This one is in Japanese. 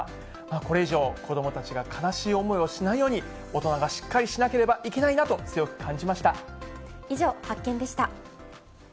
これ以上、子どもたちが悲しい思いをしないように大人がしっかりしなければ以上、ハッケン！でした。